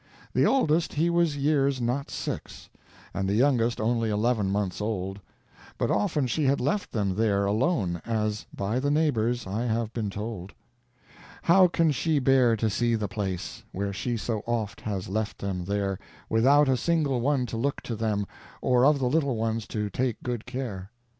The oldest he was years not six, And the youngest only eleven months old, But often she had left them there alone, As, by the neighbors, I have been told. How can she bear to see the place. Where she so oft has left them there, Without a single one to look to them, Or of the little ones to take good care.